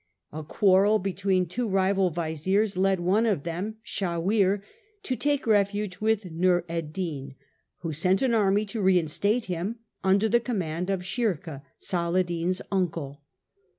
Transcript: A quarrel between two rival vizirs led one of them, Shawir, to take refuge with Nur ed din, who sent an army to reinstate him, under the command of Shirkuh, Saladin's uncle.